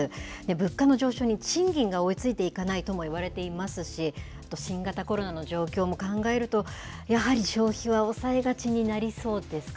物価の上昇に賃金が追いついていかないとも言われていますし、新型コロナの状況も考えると、やはり消費は抑えがちになりそうです